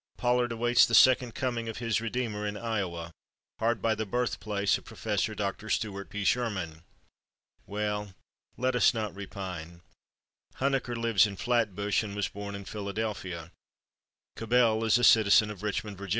Pollard awaits the Second Coming of his Redeemer in Iowa, hard by the birthplace of Prof. Dr. Stuart P. Sherman. Well, let us not repine. Huneker lives in Flatbush and was born in Philadelphia. Cabell is a citizen of Richmond, Va.